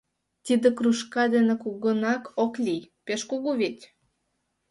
Тиде кружка дене кугынак ок лий, пеш кугу вет?